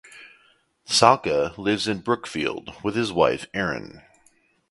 Salka lives in Brookfield with his wife Erin.